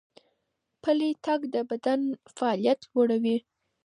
پلی تګ د بدن فعالیت لوړوي.